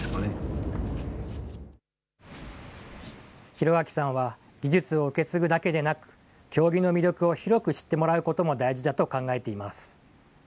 広彰さんは技術を受け継ぐだけでなく、経木の魅力を広く知ってもらうことも大事だと考えています。